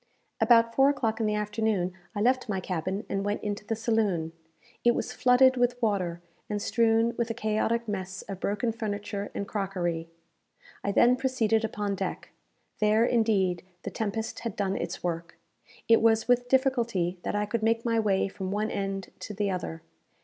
About four o'clock in the afternoon, I left my cabin and went into the saloon. It was flooded with water, and strewn with a chaotic mass of broken furniture and crockery. I then proceeded upon deck. There, indeed, the tempest had done its work. It was with difficulty that I could make my way from one end to the other.